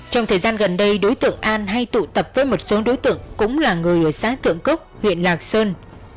trong thời gian gần đây đối tượng an hay tụ tập với một số đối tượng cũng là người ở xã thượng cốc huyện lạc sơn